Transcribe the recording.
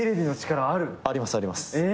ありますあります。